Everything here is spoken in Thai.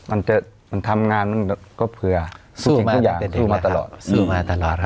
ทะเก่ามันทำงามเผื่อสู้มาตลอด